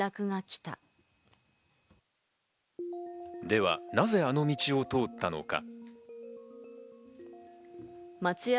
では、なぜあの道を通ったのか？